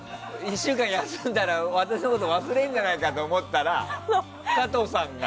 １週間休んだら私のこと忘れるんじゃないかっていうこと